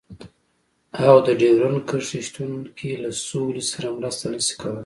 او د ډيورنډ کرښې شتون کې له سولې سره مرسته نشي کولای.